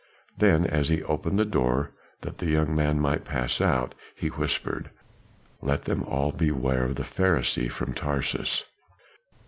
Then as he opened the door that the young man might pass out, he whispered, "Let them all beware of the Pharisee from Tarsus."